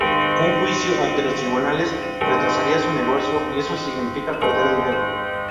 Un juicio ante los tribunales retrasaría su negocio, y eso significa perder dinero.